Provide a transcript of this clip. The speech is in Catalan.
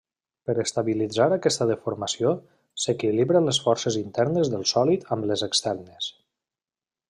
Per estabilitzar aquesta deformació, s'equilibren les forces internes del sòlid amb les externes.